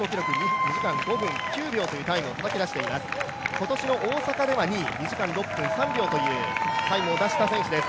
今年の大阪では２位、２時間６分３秒というタイムを出した選手です。